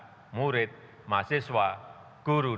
dan juga kepentingan kesehatan masyarakat